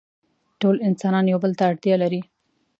ټول انسانان يو بل ته اړتيا لري.